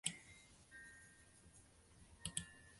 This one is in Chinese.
和姚慕双共同培育了大批滑稽戏人才。